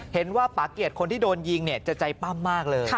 เห็นว่าปะเกียจคนที่โดนยิงจะใจป้ามมากเลย